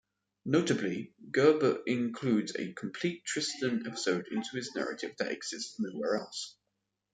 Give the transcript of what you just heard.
Notably, Gerbert includes a complete Tristan episode into his narrative that exists nowhere else.